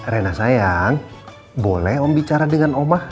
rena sayang boleh om bicara dengan oma